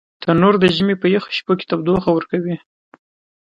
تنور د ژمي په یخو شپو کې تودوخه ورکوي